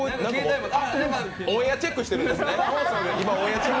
オンエアチェックしてるんですね。